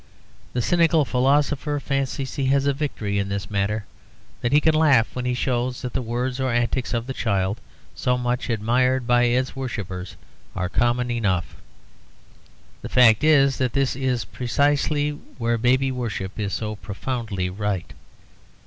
The cynical philosopher fancies he has a victory in this matter that he can laugh when he shows that the words or antics of the child, so much admired by its worshippers, are common enough. The fact is that this is precisely where baby worship is so profoundly right.